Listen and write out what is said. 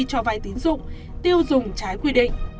cho vay tín dụng tiêu dùng trái quy định